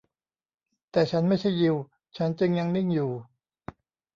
แต่ฉันไม่ใช่ยิว ฉันจึงยังนิ่งอยู่